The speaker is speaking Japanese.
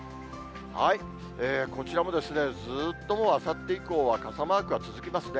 こちらもですね、ずっともう、あさって以降は傘マークが続きますね。